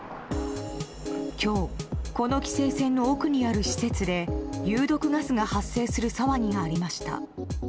今日この規制線の奥にある施設で有毒ガスが発生する騒ぎがありました。